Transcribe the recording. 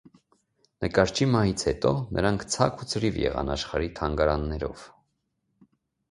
Նկարչի մահից հետո նրանք ցաք ու ցրիվ եղան աշխարհի թանգարաններով։